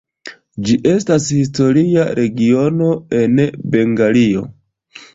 Ĝi estas historia regiono en Bengalio.